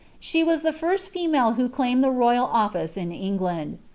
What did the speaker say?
She was the first feinale who rlaimed the royal office in England.